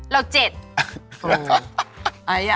เรา๗